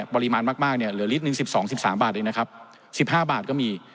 ปริมาณมากเหลือลิตหนึ่ง๑๒๑๓บาทหรือ๑๕บาทก็มี